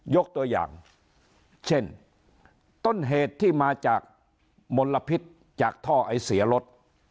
ยกตัวอย่างเช่นต้นเหตุที่มาจากมลพิษจากท่อไอเสียรถ